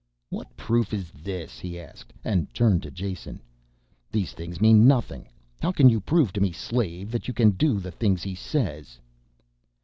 "What proof is this?" he asked, and turned to Jason. "These things mean nothing. How can you prove to me, slave, that you can do the things he says?"